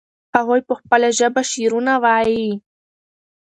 هغوی په خپله ژبه شعرونه وایي.